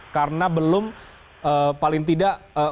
karena belum paling tidak undurkan